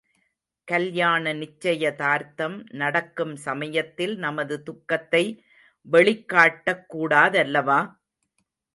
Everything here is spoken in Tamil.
கல்யாண நிச்சயதார்த்தம் நடக்கும் சமயத்தில் நமது துக்கத்தை வெளிக்காட்டக்கூடாதல்லவா?